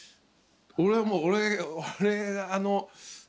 俺はもうあの。